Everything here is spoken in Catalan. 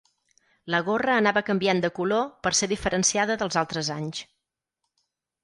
La Gorra anava canviant de color per ser diferenciada dels altres anys.